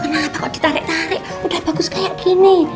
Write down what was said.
kenapa kok ditarik tarik udah bagus kayak gini